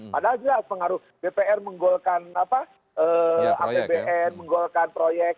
padahal jelas pengaruh dpr menggolkan apbn menggolkan proyek